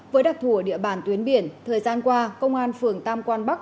với đặc thù địa bàn tuyến biển thời gian qua công an phường tam quan bắc